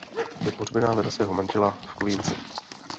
Je pohřbena vedle svého manžela v Quincy.